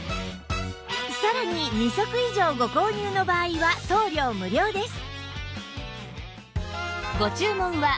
さらに２足以上ご購入の場合は送料無料です